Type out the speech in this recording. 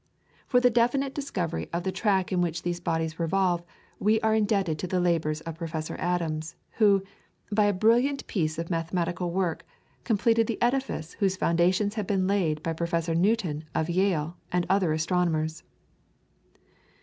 For the definite discovery of the track in which these bodies revolve, we are indebted to the labours of Professor Adams, who, by a brilliant piece of mathematical work, completed the edifice whose foundations had been laid by Professor Newton, of Yale, and other astronomers.